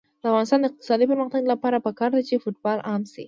د افغانستان د اقتصادي پرمختګ لپاره پکار ده چې فوټبال عام شي.